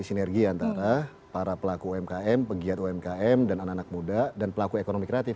sinergi antara para pelaku umkm pegiat umkm dan anak anak muda dan pelaku ekonomi kreatif